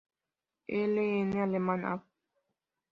L. N. Alem, Av.